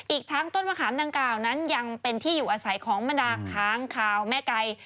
อีกทั้งต้นมะขามดังกล่าวนั้นยังเป็นที่อยู่อาศัยของบรรดาค้างคาวแม่ไก่